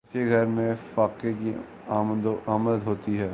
اس کے گھر میں فاقے کی آمد ہوتی ہے